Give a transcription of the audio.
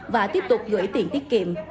và tiếp tục gửi tiền tiết kiệm